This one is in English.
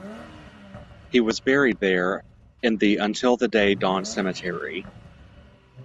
He was buried there in the Until the Day Dawn Cemetery.